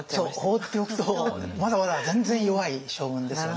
放っておくとまだまだ全然弱い将軍ですよね。